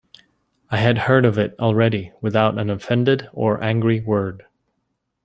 I had heard of it already without an offended or angry word.